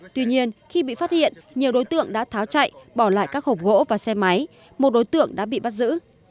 tuy nhiên khi bị phát hiện nhiều đối tượng đã tháo chạy bỏ lại các hộp gỗ và xe máy một đối tượng đã bị bắt giữ